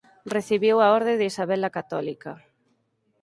Recibiu a orde de Isabel la Católica.